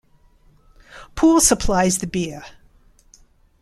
Poul supplies the beer.